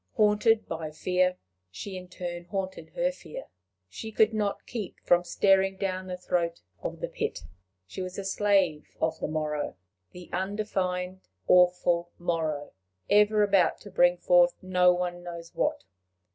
Haunted by fear, she in turn haunted her fear. She could not keep from staring down the throat of the pit. She was a slave of the morrow, the undefined, awful morrow, ever about to bring forth no one knows what.